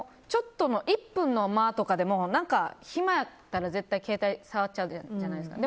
１分の間とかでも暇やったら絶対携帯触っちゃうじゃないですか。